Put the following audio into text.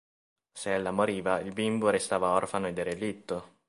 Se ella moriva, il bimbo restava orfano e derelitto.